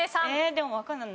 でもわかんない。